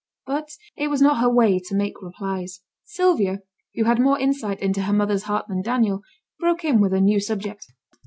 But it was not her way to make replies. Sylvia, who had more insight into her mother's heart than Daniel, broke in with a new subject.